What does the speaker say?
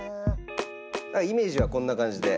イメージはこんな感じで。